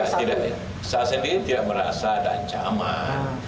saya sendiri tidak merasa ada ancaman